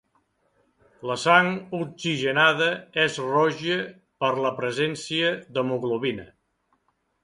La sang oxigenada és roja per la presència d'hemoglobina.